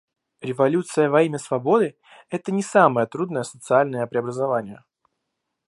Революция во имя свободы — это не самое трудное социальное преобразование.